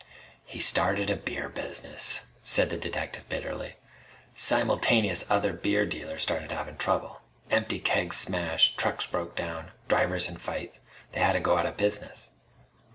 "He started a beer business," said the detective bitterly. "Simultaneous other beer dealers started havin' trouble. Empty kegs smashed. Trucks broke down. Drivers in fights. They hadda go outta business!"